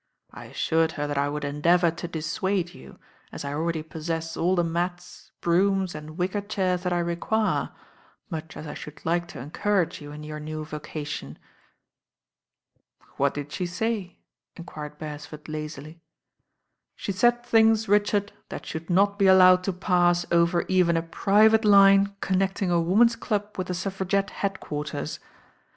I assured her that I would endeavour to dissuade you, as I already possess all the mats, brooms and wicker chairs that I require, much as I should like to encourage you in your new vocation." "What did she say?" enquired Beresford lazily. "She said things, Richard, that should not be allowed to pass over even a private line connecting a woman's club with the Suffragette Headquarters.